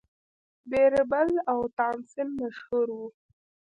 بیربل او تانسن مشهور وو.